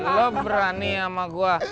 lo berani sama gue